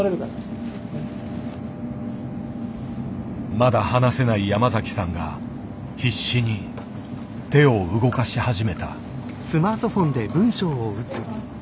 まだ話せない山崎さんが必死に手を動かし始めた。